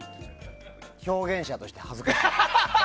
表現者として恥ずかしい。